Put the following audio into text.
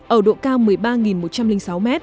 ở độ cao một mươi ba một trăm linh sáu m